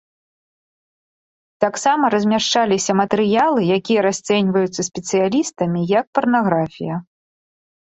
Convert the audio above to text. Таксама размяшчаліся матэрыялы, якія расцэньваюцца спецыялістамі як парнаграфія.